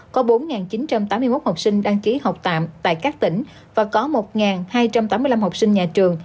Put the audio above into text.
có bốn chín trăm tám mươi một học sinh đăng ký học tạm tại các tỉnh và có một hai trăm tám mươi năm học sinh nhà trường